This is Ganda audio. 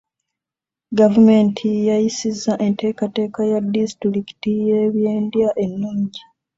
Gavumenti yayisizza enteekateeka ya disitulikiti y'ebyendya ennungi.